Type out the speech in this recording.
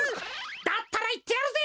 だったらいってやるぜ！